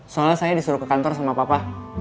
soalnya saya disuruh ke kantor sama papa